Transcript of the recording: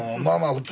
普通。